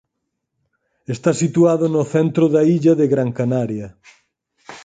Está situado no centro da illa de Gran Canaria.